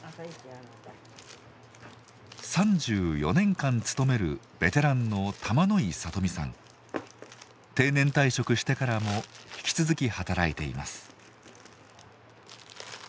３４年間勤めるベテランの定年退職してからも引き続き働いています。